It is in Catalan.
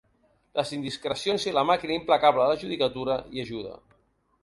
Les indiscrecions i la màquina implacable de la judicatura hi ajuda.